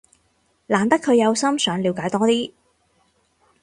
難得佢有心想了解多啲